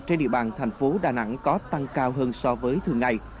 trên địa bàn tp đà nẵng có tăng cao hơn so với thường ngày